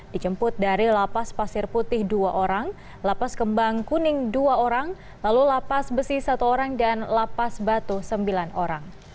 dijemput dari lapas pasir putih dua orang lapas kembang kuning dua orang lalu lapas besi satu orang dan lapas batu sembilan orang